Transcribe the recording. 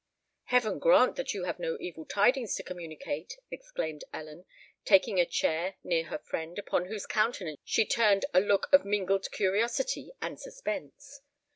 "Heaven grant that you have no evil tidings to communicate!" exclaimed Ellen, taking a chair near her friend, upon whose countenance she turned a look of mingled curiosity and suspense.